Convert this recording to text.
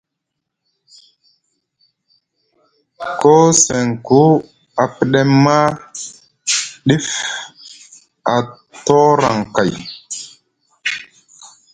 Koo seŋku a pɗem maa, ɗif a tooraŋ kay.